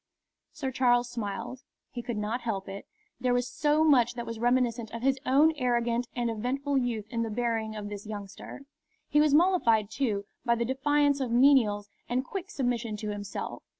Sir Charles smiled. He could not help it. There was so much that was reminiscent of his own arrogant and eventful youth in the bearing of this youngster. He was mollified, too, by the defiance of menials and quick submission to himself.